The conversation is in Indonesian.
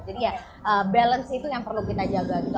jadi ya balance itu yang perlu kita jaga gitu